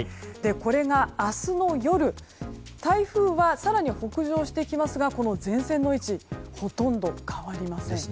これが明日の夜、台風は更に北上してきますがこの前線の位置ほとんど変わりません。